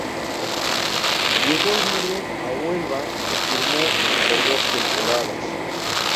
Llegó libre a Huelva y firmó por dos temporadas.